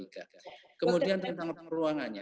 kemudian tentang peluangannya